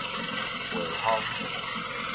邶風